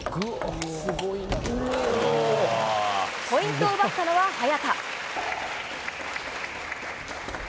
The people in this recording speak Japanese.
ポイントを奪ったのは早田。